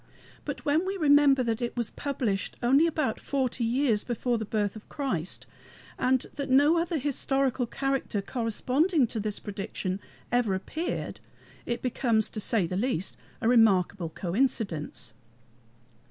But when we remember that it was published only about forty years before the birth of Christ, and that no other historical character corresponding to this prediction ever appeared, it becomes, to say the least, a remarkable coincidence.